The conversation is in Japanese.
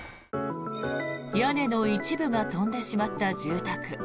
屋根の一部が飛んでしまった住宅。